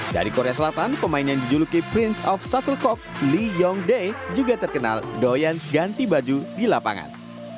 dari korea selatan pemain yang dijuluki prince of sattlecock lee yong dae juga terkenal doyan ganti baju di lapangan